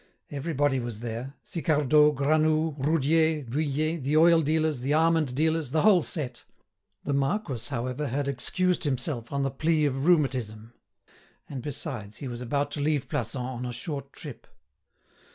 Everybody was there; Sicardot, Granoux, Roudier, Vuillet, the oil dealers, the almond dealers, the whole set. The marquis, however, had excused himself on the plea of rheumatism; and, besides, he was about to leave Plassans on a short trip.